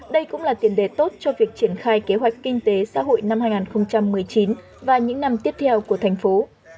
đây cũng là tiền đề tốt cho việc triển khai kế hoạch kinh tế xã hội năm hai nghìn một mươi chín và những năm tiếp theo của thành phố